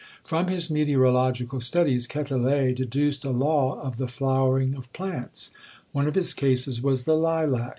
From his meteorological studies, Quetelet deduced a law of the flowering of plants. One of his cases was the lilac.